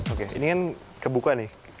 oke ini kan kebuka nih